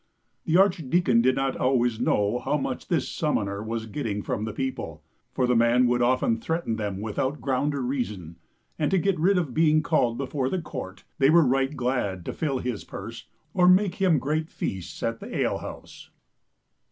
The archdeacon did not always know how much this summoner was getting from the people, for the man would often threaten them without ground or reason, and to get rid of being called before the court they were right glad to fill his purse or make him great feasts at the alehouse.